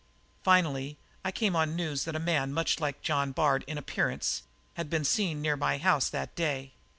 "Finally I came on news that a man much like John Bard in appearance had been seen near my house that day.